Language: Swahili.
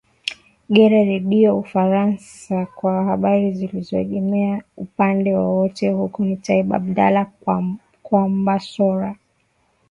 gera redio ufaransa kwa habari zisioengemea upande wowote huyu ni taib abdala kwambasora